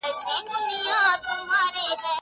ایا ماشومانو ته مو د سلام کولو عادت ورکړی؟